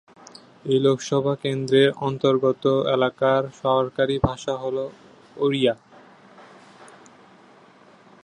এই লোকসভা কেন্দ্রের অন্তর্গত এলাকার সরকারি ভাষা হল ওড়িয়া।